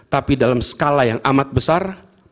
tapi dalam skala yang amat besar